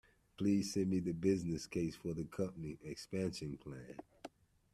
Please send me the business case for your company’s expansion plan